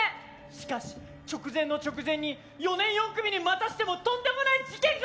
しかし直前の直前に４年４組にまたしてもとんでもない事件が。